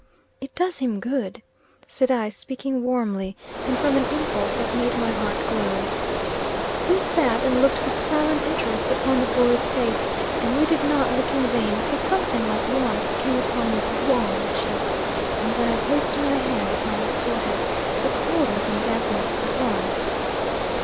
"It does him good!" said I, speaking warmly, and from an impulse that made my heart glow. We sat and looked with silent interest upon the boy's face, and we did not look in vain, for something like warmth came upon his wan cheeks, and when I placed my hand upon his forehead, the coldness and dampness were gone.